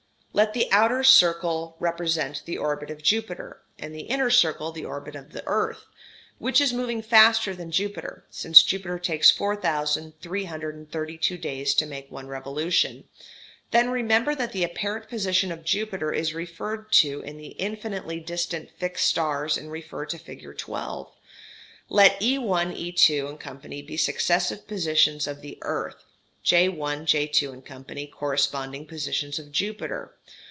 ] Let the outer circle represent the orbit of Jupiter, and the inner circle the orbit of the earth, which is moving faster than Jupiter (since Jupiter takes 4332 days to make one revolution); then remember that the apparent position of Jupiter is referred to the infinitely distant fixed stars and refer to fig. 12. Let E_1, E_2, &c., be successive positions of the earth; J_1, J_2, &c., corresponding positions of Jupiter.